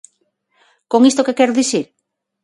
¿Con isto que quero dicir?